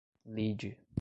lide